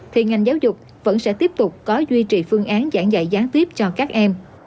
thì ngành giáo dục vẫn sẽ tiếp tục có duy trì phương án giảng dạy gián tiếp cho các em